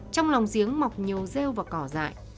trong lòng giếng mọc nhiều rêu và cỏ dại